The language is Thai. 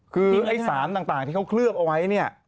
คือสารต่างที่เขาเคลือบเอาไว้